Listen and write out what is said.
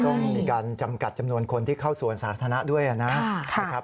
ต้องมีการจำกัดจำนวนคนที่เข้าสวนสาธารณะด้วยนะครับ